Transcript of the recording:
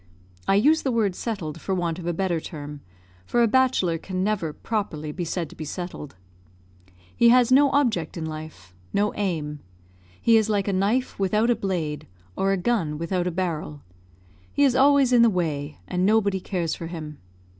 I use the word settled, for want of a better term for a bachelor can never, properly, be said to be settled. He has no object in life no aim. He is like a knife without a blade, or a gun without a barrel. He is always in the way, and nobody cares for him.